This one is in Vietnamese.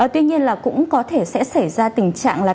tuy nhiên là cũng có thể sẽ xảy ra tình trạng là